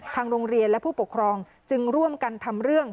ทางโรงเรียนและผู้ปกครองจึงร่วมกันทำเรื่อง